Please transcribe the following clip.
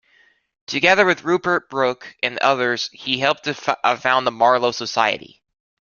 Together with Rupert Brooke and others he helped to found the Marlowe Society.